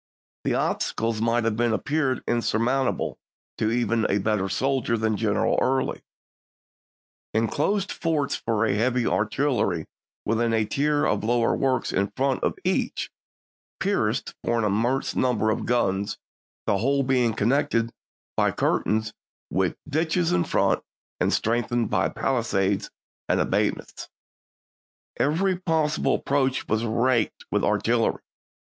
The obstacles might have appeared insurmountable to even a better soldier than General Early: "In closed forts for heavy artillery with a tier of lower works in front of each, pierced for an immense number of guns, the whole being connected by "Memoir curtains, with ditches in front, and strengthened La°8tYear hy palisades and abatis. .. Every possible ap War,"p?6i. proach was raked with artillery."